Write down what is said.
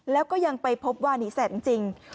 แล้วก็ยังไปพบว่านีแสบจริง